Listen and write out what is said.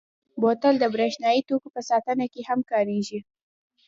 بوتل د برېښنايي توکو په ساتنه کې هم کارېږي.